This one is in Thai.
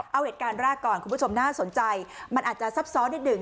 เอาเหตุการณ์แรกก่อนคุณผู้ชมน่าสนใจมันอาจจะซับซ้อนนิดหนึ่ง